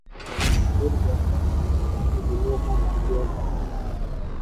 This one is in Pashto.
انګور د افغان ماشومانو د لوبو موضوع ده.